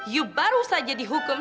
you baru saja dihukum